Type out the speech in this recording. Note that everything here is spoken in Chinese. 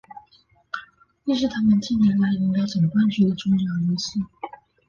亦是他们近年来赢得总冠军的重要因素。